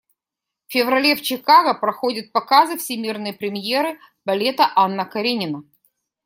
В феврале в Чикаго проходят показы всемирной премьеры балета «Анна Каренина».